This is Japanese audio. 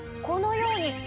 このように。